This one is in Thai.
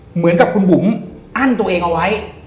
เหมือนกับคุณบุ๋มอั้นตัวเองเอาไว้